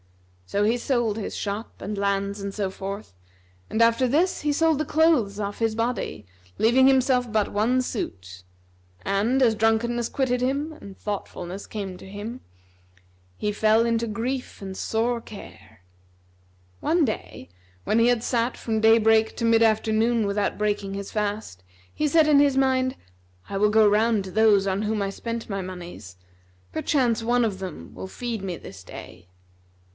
So he sold his shop and lands and so forth, and after this he sold the clothes off his body, leaving himself but one suit; and, as drunkenness quitted him and thoughtfulness came to him, he fell into grief and sore care. One day, when he had sat from day break to mid afternoon without breaking his fast, he said in his mind, "I will go round to those on whom I spent my monies: perchance one of them will feed me this day."